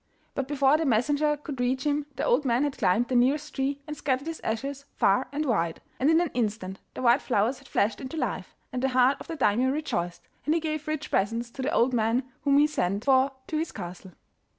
But before the messenger could reach him the old man had climbed the nearest tree and scattered his ashes far and wide, and in an instant the white flowers had flashed into life, and the heart of the Daimio rejoiced, and he gave rich presents to the old man, whom he sent for to his castle.